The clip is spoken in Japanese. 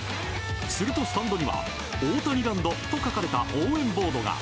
すると、スタンドにはオオタニランドと書かれた応援ボードが。